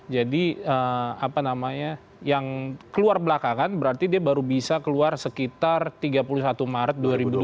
jadi apa namanya yang keluar belakangan berarti dia baru bisa keluar sekitar tiga puluh satu maret dua ribu dua puluh